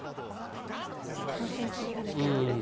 ３線切りができるんですね。